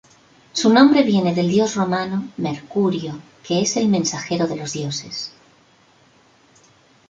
Su nombre viene del dios romano: Mercurio que es el mensajero de los dioses.